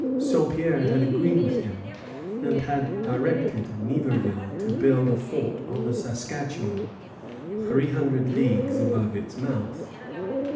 Saint Pierre had agreed with him, and had directed Niverville to build a fort on the Saskatchawan, three hundred leagues above its mouth.